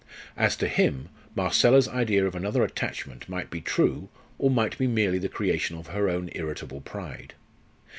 As to him, Marcella's idea of another attachment might be true, or might be merely the creation of her own irritable pride.